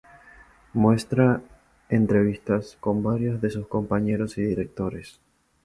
Muestra entrevistas con varios de sus compañeros y directores.